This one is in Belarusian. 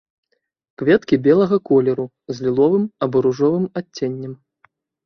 Кветкі белага колеру з ліловым або ружовым адценнем.